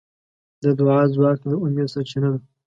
د دعا ځواک د امید سرچینه ده.